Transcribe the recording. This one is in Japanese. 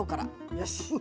よし！